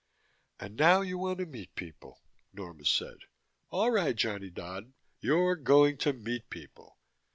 "And now you want to meet people," Norma said. "All right, Johnny Dodd you're going to meet people!"